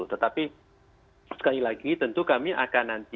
tetapi sekali lagi tentu kami akan nanti